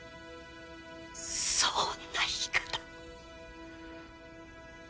そんな言い方。